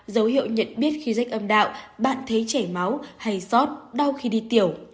dấu hiệu nhận biết khi rách âm đạo bạn thấy chảy máu hay sót đau khi đi tiểu